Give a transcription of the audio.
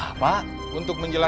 bapak bisa mencoba